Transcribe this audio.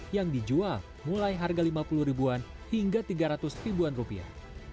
yang dijual mulai harga lima puluh ribuan hingga tiga ratus ribuan rupiah